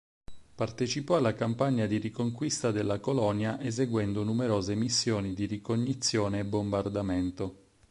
Partecipò alla campagna di riconquista della colonia eseguendo numerose missioni di ricognizione e bombardamento.